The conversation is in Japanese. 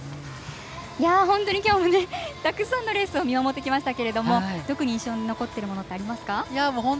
本当に今日たくさんのレースを見守ってきましたが特に印象に残っているものってありますか。